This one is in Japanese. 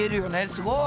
すごい！